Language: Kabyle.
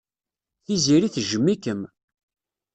Tiziri tejjem-ikem.